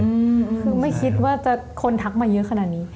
อืมคือไม่คิดว่าจะคนทักมาเยอะขนาดนี้